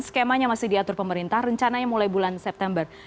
skemanya masih diatur pemerintah rencananya mulai bulan september